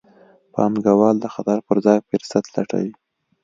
پانګوال د خطر پر ځای فرصت لټوي.